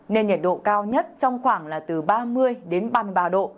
nên nhiệt độ cao nhất trong khoảng là từ ba mươi đến ba mươi ba độ